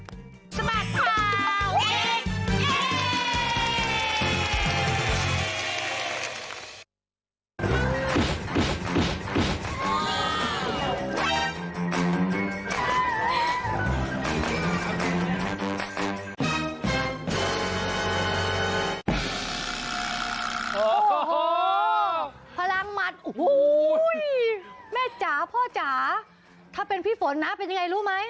โอ้โหพลังหมัดโอ้โหแม่จ๋าพ่อจ๋าถ้าเป็นพี่ฝนนะเป็นยังไงรู้ไหม